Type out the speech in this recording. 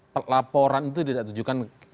pelaporan itu tidak ditujukan